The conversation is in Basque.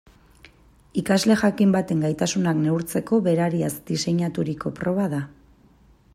Ikasle jakin baten gaitasunak neurtzeko berariaz diseinaturiko proba da.